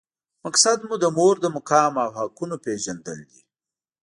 مقصد د مور د مقام او حقونو پېژندل دي.